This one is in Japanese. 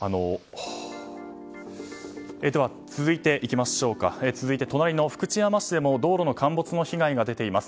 では続いて隣の福知山市でも道路の陥没の被害が出ています。